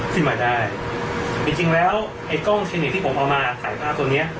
ขึ้นมาได้จริงจริงแล้วไอ้กล้องสนิทที่ผมเอามาถ่ายภาพตัวเนี้ย